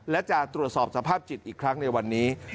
และจะตรวจสอบสภาพจิตอีกครั้งในวันนี้